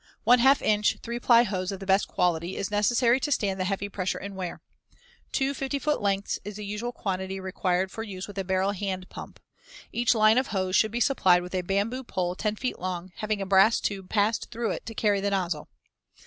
One half inch, three ply hose of the best quality is necessary to stand the heavy pressure and wear. Two 50 foot lengths is the usual quantity required for use with a barrel hand pump. Each line of hose should be supplied with a bamboo pole 10 feet long, having a brass tube passed through it to carry the nozzle.